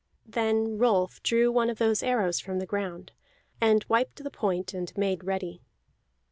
Then Rolf drew one of those arrows from the ground, and wiped the point, and made ready.